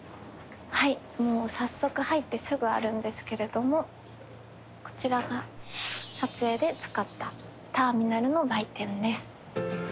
はいもう早速入ってすぐあるんですけれどもこちらが撮影で使ったターミナルの売店です。